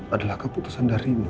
adalah keputusan darimu